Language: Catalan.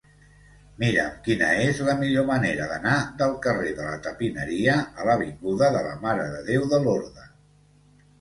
Mira'm quina és la millor manera d'anar del carrer de la Tapineria a l'avinguda de la Mare de Déu de Lorda.